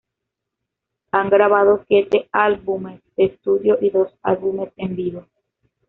Han grabado siete álbumes de estudio y dos álbumes en vivo.